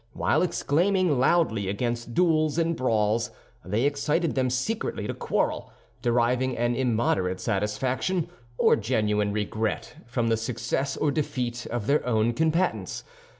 While exclaiming loudly against duels and brawls, they excited them secretly to quarrel, deriving an immoderate satisfaction or genuine regret from the success or defeat of their own combatants.